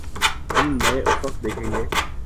ہم نئے افق دیکھیں گے۔